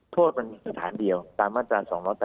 โทษมันมีสถานเดียวตามมาตรา๒๘๘